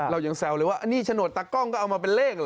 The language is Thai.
เรายังแซวเลยว่าอันนี้โฉนดตากล้องก็เอามาเป็นเลขเหรอ